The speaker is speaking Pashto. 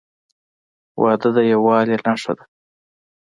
• واده د یووالي نښه ده.